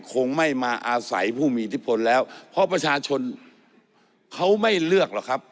คงไม่มาอาศัยผู้มีอิทธิพลแล้วเพราะประชาชนเขาไม่เลือกหรอกครับ